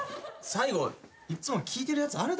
最後いっつも聞いてるやつあるだろ？